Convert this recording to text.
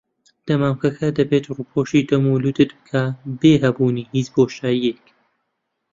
دەمامکەکە دەبێت ڕووپۆشی دەم و لوتت بکات بێ هەبوونی هیچ بۆشاییەک.